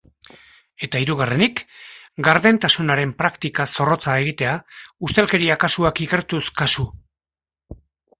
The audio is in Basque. Eta hirugarrenik, gardentasunaren praktika zorrotza egitea, ustelkeria kasuak ikertuz kasu.